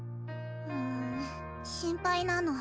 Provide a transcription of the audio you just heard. うん心配なの。